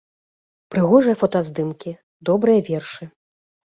Прыгожыя фотаздымкі, добрыя вершы.